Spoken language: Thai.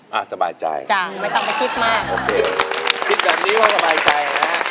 สวัสดีครับคุณหน่อย